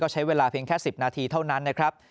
ใช้เวลาเพียงแค่๑๐นาทีเท่านั้นนะครับ